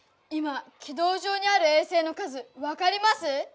今き道上にある衛星の数わかります？